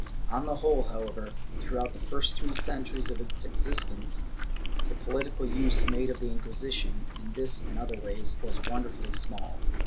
^ On the whole, however, throughout the first three centuries of its existence, the political use made of the Inquisition, in this and other ways, was wonder fully small.